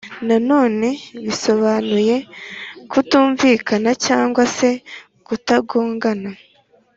Na none bisobanuye kutumvikana cyangwa se kugongana